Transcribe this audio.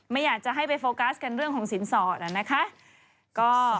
ไม่อยากจะให้ไปโฟกัสกันเรื่องของสินสอดนะคะ